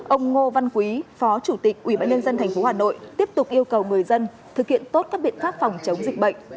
ông ngô văn quý phó chủ tịch ubnd tp hà nội tiếp tục yêu cầu người dân thực hiện tốt các biện pháp phòng chống dịch bệnh